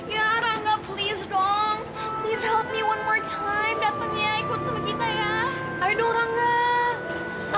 ya rangga please dong please help me one more time datangnya ikut sama kita ya